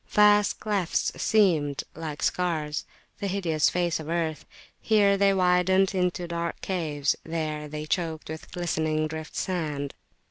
Vast clefts seamed like scars the hideous face of earth; here they widened into dark caves, there they were choked with glistening drift sand.